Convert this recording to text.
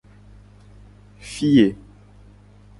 Fiye.